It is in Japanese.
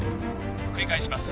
繰り返します